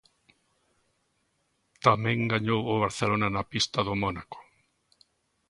Tamén gañou o Barcelona na pista do Mónaco.